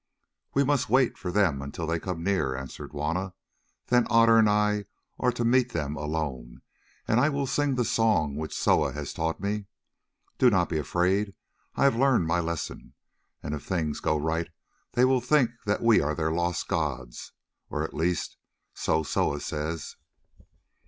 "We must wait for them until they come near," answered Juanna, "then Otter and I are to meet them alone, and I will sing the song which Soa has taught me. Do not be afraid, I have learned my lesson, and, if things go right, they will think that we are their lost gods; or, at least, so Soa says."